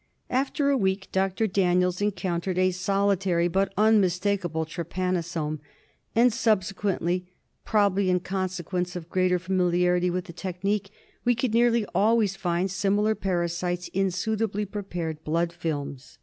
After a week Dr. Daniels encountered a solitary but unmistakable trypanosome, and subsequently, probably in consequence of greater familiarity with the technique, we could nearly always find similar parasites in suitably prepared blood films.